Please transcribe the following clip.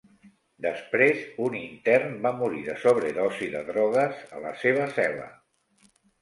Després, un intern va morir de sobredosi de drogues a la seva cel·la.